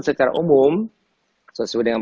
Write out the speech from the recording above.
secara umum sesuai dengan